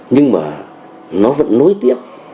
nhưng mà nó vẫn nối tiếp